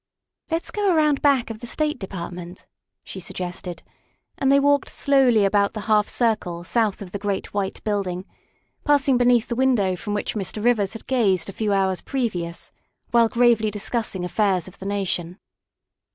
" Let's go around back of the State Department," she suggested, and they walked slowly about the half circle south of the great white building, passing beneath the window from which Mr. Rivers had gazed a few hours previous while gravely discussing affairs of the nation.